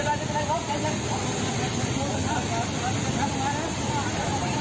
ชาร์จแล้ว